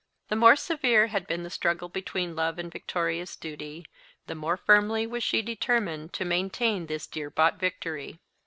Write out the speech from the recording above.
The more severe had been the struggle between love and victorious duty, the more firmly was she determined to maintain this dear bought victory.